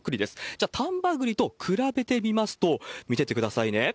じゃあ、丹波栗と比べてみますと、見ててくださいね。